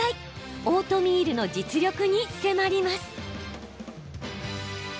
オートミールの実力に迫ります。